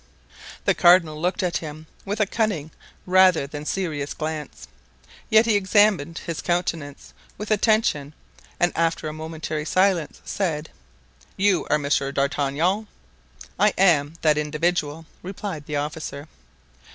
The cardinal looked at him with a cunning rather than serious glance, yet he examined his countenance with attention and after a momentary silence said: "You are Monsieur d'Artagnan?" "I am that individual," replied the officer.